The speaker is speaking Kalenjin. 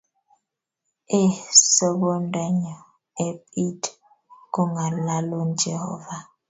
Ee sobondannyu ep iit kong'alalun Jehova.